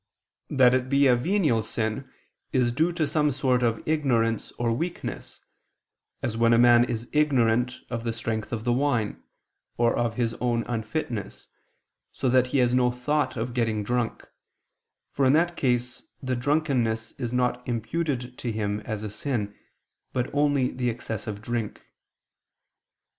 That it be a venial sin, is due some sort of ignorance or weakness, as when a man is ignorant of the strength of the wine, or of his own unfitness, so that he has no thought of getting drunk, for in that case the drunkenness is not imputed to him as a sin, but only the excessive drink.